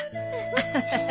アハハハ。